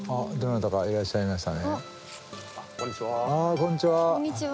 こんにちは。